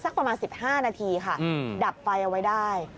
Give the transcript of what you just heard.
ประมาณ๑๕นาทีค่ะดับไฟเอาไว้ได้